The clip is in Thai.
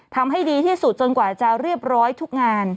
ทำให้ดีที่สุดจนกว่าจะเรียบร้อยทุกงาน